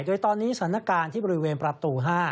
โดยตอนนี้สถานการณ์ที่บริเวณประตู๕